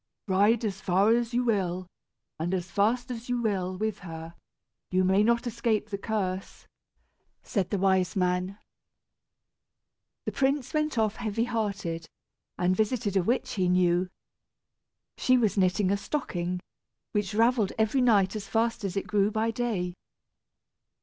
"Ride as far as you will, and as fast as you will with her, you may not escape the curse," said the wise man. The prince went off heavy hearted, and visited a witch he knew. She was knitting a stocking, which ravelled every night as fast as it grew by day.